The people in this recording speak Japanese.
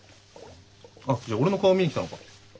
あっじゃあ俺の顔を見に来たのか？